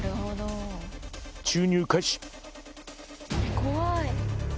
怖い。